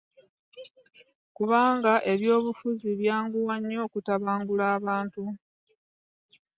Kubanga ebyobufuzi byanguwa nnyo okutabangula abantu.